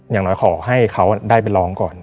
อย่างน้อยขอให้เขาได้ไปร้องก่อน